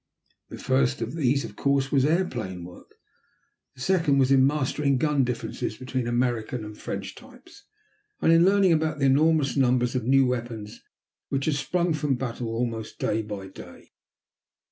The first of these, of course, was airplane work. The second was in mastering gun differences between American and French types, and in learning about the enormous numbers of new weapons which had sprung from battle almost day by day.